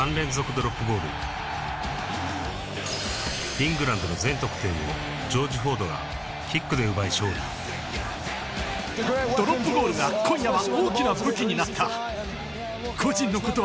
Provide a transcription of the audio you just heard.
イングランドの全得点をジョージ・フォードがキックで奪い勝利今夜は。